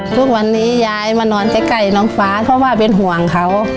ทุกวันนี้ยายมานอนใกล้น้องฟ้าเพราะว่าเป็นห่วงเขา